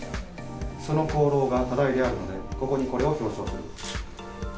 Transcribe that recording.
その功労が多大であるので、ここにこれを表彰する。